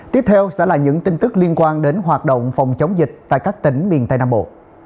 tiếp theo sẽ là những tin tức liên quan đến hoạt động phòng chống dịch tại các tỉnh miền tây nam bộ